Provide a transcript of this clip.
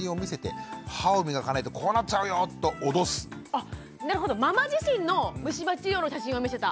あっなるほどママ自身のむし歯治療の写真を見せた。